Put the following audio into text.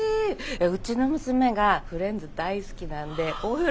うちの娘がフレンズ大好きなんで大喜びしますよ。